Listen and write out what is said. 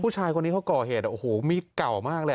ผู้ชายคนนี้เขาก่อเหตุโอ้โหมีดเก่ามากเลย